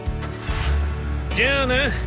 じゃあな！